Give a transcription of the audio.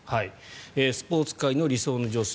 スポーツ界の理想の上司